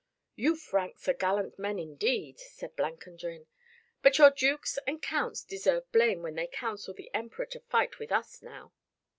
"You Franks are gallant men indeed," said Blancandrin, "but your dukes and counts deserve blame when they counsel the Emperor to fight with us now."